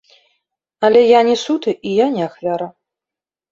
Але я не суд і я не ахвяра.